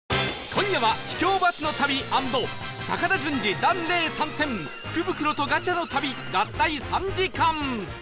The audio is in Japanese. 今夜は秘境バスの旅＆高田純次檀れい参戦福袋とガチャの旅合体３時間